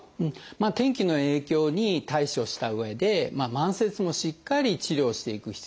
天気の影響に対処したうえで慢性痛もしっかり治療していく必要がありますよね。